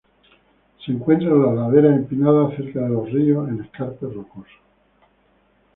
Se encuentra en las laderas empinadas cerca de los ríos; en escarpes rocosos.